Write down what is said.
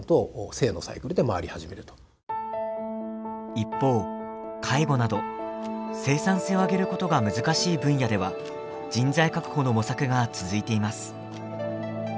一方介護など生産性を上げることが難しい分野では人材確保の模索が続いています。